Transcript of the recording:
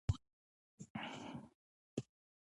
زوی په یوه بله سیمه کې پاچا شو.